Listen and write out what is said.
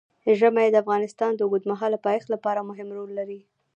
ژمی د افغانستان د اوږدمهاله پایښت لپاره مهم رول لري.